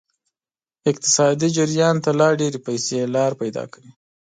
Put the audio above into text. اقتصادي جریان ته لا ډیرې پیسې لار پیدا کوي.